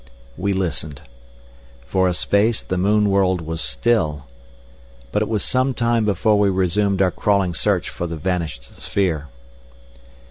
We listened. For a space the moon world was still. But it was some time before we resumed our crawling search for the vanished sphere.